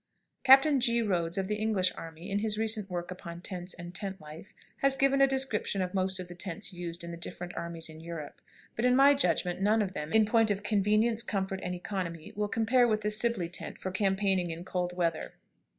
Captain G. Rhodes, of the English army, in his recent work upon tents and tent life, has given a description of most of the tents used in the different armies in Europe, but, in my judgment, none of them, in point of convenience, comfort, and economy, will compare with the Sibley tent for campaigning in cold weather.